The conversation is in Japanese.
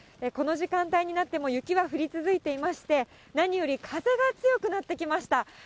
この時間帯になっても雪が降り続いていまして、何より風が強くなってきました。